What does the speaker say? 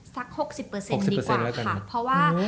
สัก๖๐ดีกว่าค่ะ